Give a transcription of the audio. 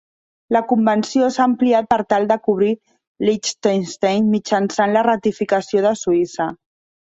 La convenció s'ha ampliat per tal de cobrir Liechtenstein mitjançant la ratificació de Suïssa.